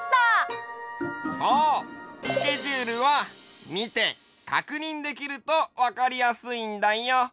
そうスケジュールはみてかくにんできるとわかりやすいんだよ。